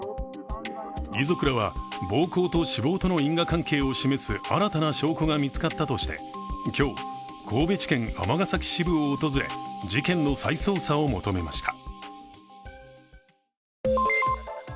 遺族らは暴行死亡との因果関係を示す新たな証拠が見つかったとして、今日、神戸地検尼崎支部を訪れ、事件の再捜査を求めました。